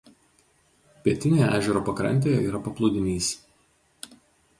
Pietinėje ežero pakrantėje yra paplūdimys.